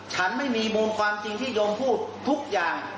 ฉันไม่มีมูลความจริงที่โยมพูดทุกอย่าง